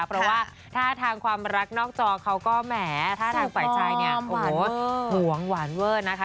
เพราะว่าถ้าทางความรักนอกจอเขาก็แหมถ้าทางฝ่ายชายเนี่ยโอ้โหห่วงหวานเวอร์นะคะ